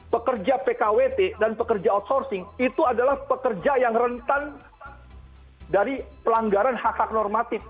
pekerja pkwt dan pekerja outsourcing itu adalah pekerja yang rentan dari pelanggaran hak hak normatif